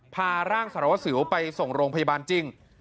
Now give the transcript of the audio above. พาร่างสารวัสสิวไปส่งโรงพยาบาลจริง